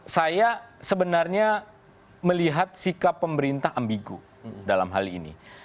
saya sebenarnya melihat sikap pemerintah ambigu dalam hal ini